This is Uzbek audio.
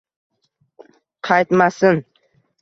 Qaytmasin